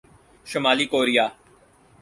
شمالی کوریا